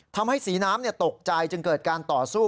ทำให้สีน้ำตกใจจึงเกิดการต่อสู้